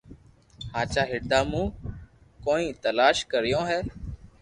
ھاچا ھردا مون ڪوئي تلاݾ ڪريو ھي